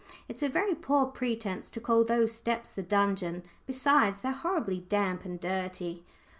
"It's a very poor pretence to call those steps the dungeon besides, they're horribly damp and dirty."